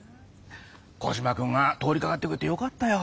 コジマくんが通りかかってくれてよかったよ。